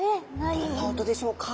どんな音でしょうか？